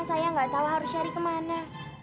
saya nggak tahu harus cari kemana